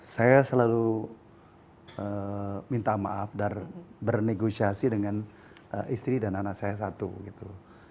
saya selalu minta maaf dan bernegosiasi dengan istri dan anak saya satu gitu